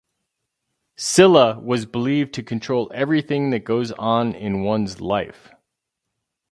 Silla was believed to control everything that goes on in one's life.